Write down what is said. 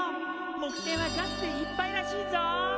木星はガスでいっぱいらしいぞっ！